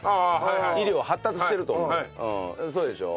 医療発達してると思うんだよ。